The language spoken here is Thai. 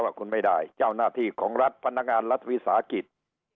ว่าคุณไม่ได้เจ้าหน้าที่ของรัฐพนักงานรัฐวิสาหกิจ